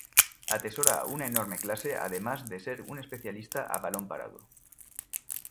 Atesora una enorme clase además de ser un especialista a balón parado.